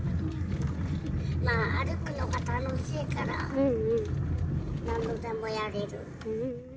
まあ、歩くのが楽しいから何度でもやれる。